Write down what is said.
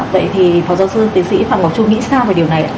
vậy thì phó giáo sư tiến sĩ phạm ngọc châu